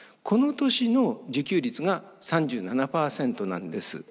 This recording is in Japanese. この年の自給率が３７％なんです。